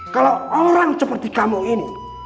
kalau orang seperti kamu ini